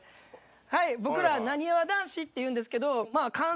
僕らなにわ男子っていうんですけど。